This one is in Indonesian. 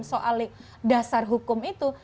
soal dasar hukum itu